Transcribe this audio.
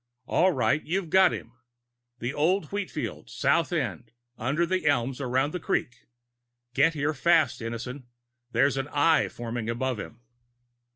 All right, you've got him. The old wheat field, south end, under the elms around the creek. Get here fast, Innison there's an Eye forming above him!"